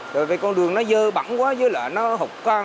bởi vì con đường nó dơ bẩn quá dưới lệ nó hụt con